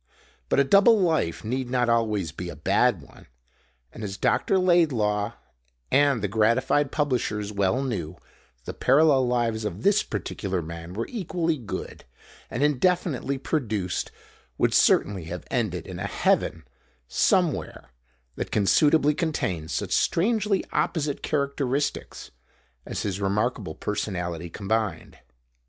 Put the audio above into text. But a double life need not always be a bad one, and, as Dr. Laidlaw and the gratified publishers well knew, the parallel lives of this particular man were equally good, and indefinitely produced would certainly have ended in a heaven somewhere that can suitably contain such strangely opposite characteristics as his remarkable personality combined.